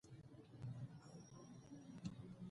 کارمل ویلي، افغانستان د انقلاب پر ضد مرکز نه شي.